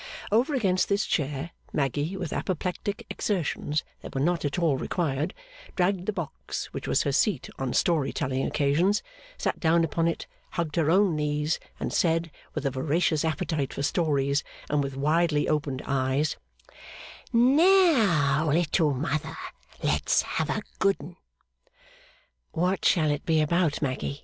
Over against this chair, Maggy, with apoplectic exertions that were not at all required, dragged the box which was her seat on story telling occasions, sat down upon it, hugged her own knees, and said, with a voracious appetite for stories, and with widely opened eyes: 'Now, Little Mother, let's have a good 'un!' 'What shall it be about, Maggy?